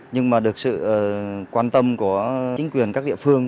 nhưng mà được sự quan tâm của chính quyền các địa phương